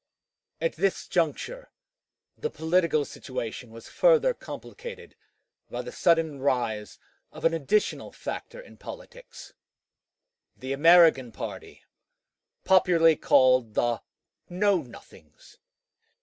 At this juncture the political situation was further complicated by the sudden rise of an additional factor in politics, the American party, popularly called the "Know Nothings."